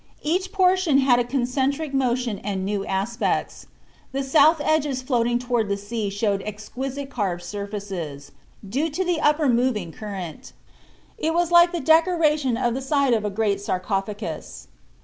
Each portion had a concentric motion and new aspects. The south edges floating toward the sea showed exquisite curved surfaces, due to the upper moving current. It was like the decoration of the side of a great sarcophagus.